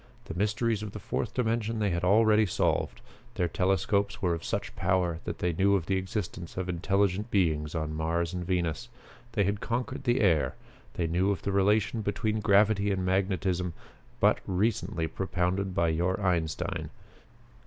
The mysteries of the Fourth Dimension they had already solved. Their telescopes were of such power that they knew of the existence of intelligent beings on Mars and Venus. They had conquered the air. They knew of the relation between gravity and magnetism but recently propounded by your Einstein.